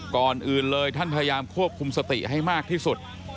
ก่อนอื่นเลยท่านพยายามควบคุมสติให้มากที่สุด